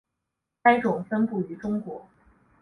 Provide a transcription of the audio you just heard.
该种分布于中国。